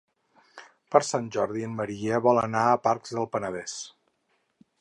Per Sant Jordi en Maria vol anar a Pacs del Penedès.